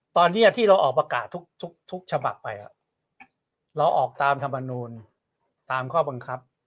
ตอนนี้ที่เราออกประกาศทุกฉบับไปเราออกตามธรรมนูลตามข้อบังคับ